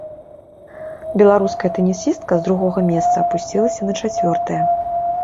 Беларуская тэнісістка з другога месца апусцілася на чацвёртае.